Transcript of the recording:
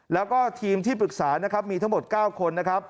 แล้วก็ทีมที่ปรึกษานะครับมีทั้งหมด๙คนนะครับ